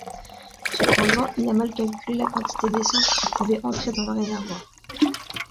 Cependant, il a mal calculé la quantité d’essence qui pouvait entrer dans le réservoir.